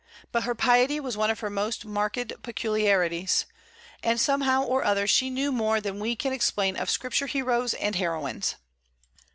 But her piety was one of her most marked peculiarities, and somehow or other she knew more than we can explain of Scripture heroes and heroines.